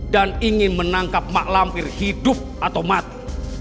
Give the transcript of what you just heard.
dan ingin menangkap mak lamir hidup atau mati